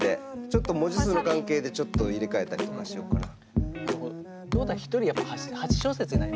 ちょっと文字数の関係でちょっと入れ替えたりとかしようかな。